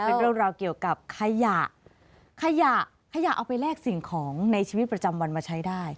เป็นเรื่องราวเกี่ยวกับขยะขยะขยะเอาไปแลกสิ่งของในชีวิตประจำวันมาใช้ได้